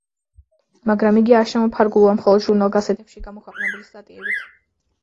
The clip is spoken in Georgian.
მაგრამ იგი არ შემოფარგლულა მხოლოდ ჟურნალ–გაზეთებში გამოქვეყნებული სტატიებით.